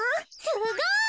すごい！